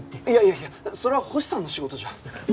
いやいやいやそれは星さんの仕事じゃ。